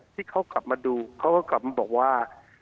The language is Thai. ที่เขากลับมาดูเขาก็กลับมาบอกว่า